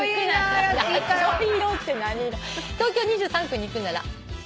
「東京２３区に行くなら」